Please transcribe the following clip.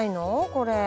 これ。